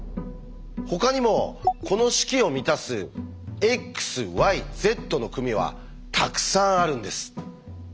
ほかにもこの式を満たす「ｘｙｚの組」はたくさんあるんです。